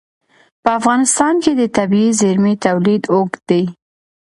په افغانستان کې د طبیعي زیرمې تاریخ اوږد دی.